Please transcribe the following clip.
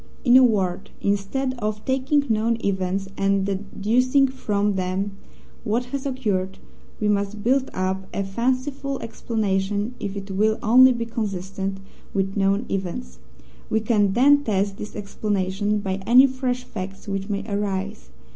In a word, instead of taking known events and deducing from them what has occurred, we must build up a fanciful explanation if it will only be consistent with known events. We can then test this explanation by any fresh facts which may arise.